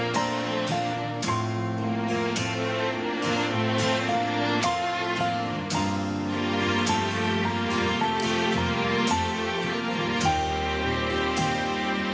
แล้วแม่ขอถูกกับกิน